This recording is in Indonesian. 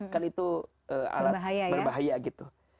kan itu alat berbahaya gitu